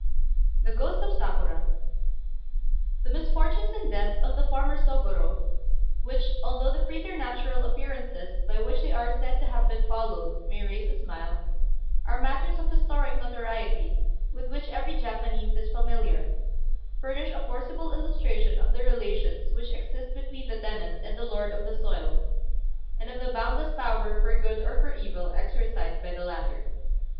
THE GHOST OF SAKURA The misfortunes and death of the farmer Sôgorô, which, although the preternatural appearances by which they are said to have been followed may raise a smile, are matters of historic notoriety with which every Japanese is familiar, furnish a forcible illustration of the relations which exist between the tenant and the lord of the soil, and of the boundless power for good or for evil exercised by the latter.